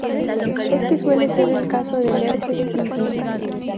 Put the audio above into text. Este suele ser el caso del herpes simple.